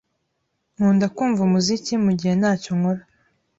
Nkunda kumva umuziki mugihe ntacyo nkora.